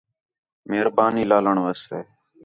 مہربانی لِالݨ واسطے